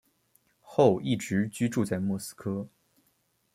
后一直居住在莫斯科。